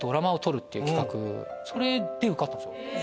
それで受かったんですよ。